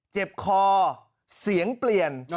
เจ็บคอเสียงเปลี่ยน